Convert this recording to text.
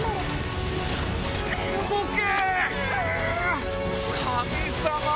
動け！